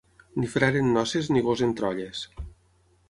Ni frare en noces, ni gos entre olles.